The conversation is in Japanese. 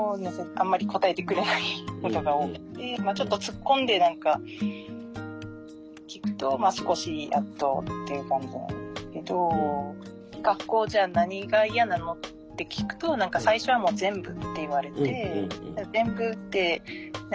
あんまり答えてくれないことが多くてちょっと突っ込んで聞くとまあ少しやっとっていう感じなんですけど「学校じゃあ何が嫌なの？」って聞くと何か最初は「もう全部」って言われて全部って何？